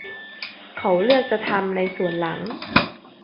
เขาเลือกจะทำในส่วนหลัง